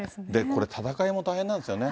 これ、戦いも大変なんですよね。